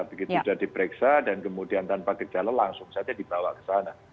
begitu sudah diperiksa dan kemudian tanpa gejala langsung saja dibawa ke sana